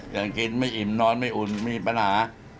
ยังกินไม่อิ่มนอนไม่อุ่นมีปัญหา